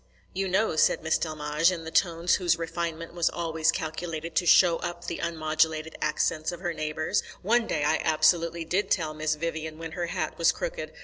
"You know," said Miss Delmege, in the tones whose refinement was always calculated to show up the unmodulated accents of her neighbours, "one day I absolutely did tell Miss Vivian when her hat was crooked.